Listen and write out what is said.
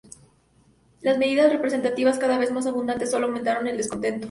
Las medidas represivas cada vez más abundantes solo aumentaron el descontento.